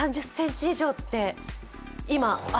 ３０ｃｍ以上って。